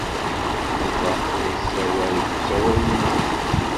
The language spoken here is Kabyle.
Yuba la yessawal deg usawal-nnes.